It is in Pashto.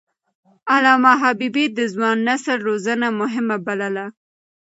علامه حبيبي د ځوان نسل روزنه مهمه بلله.